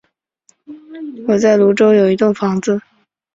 我在芦洲有一栋房子